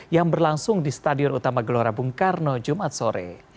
yang berlangsung di stadion utama gelora bung karno jumat sore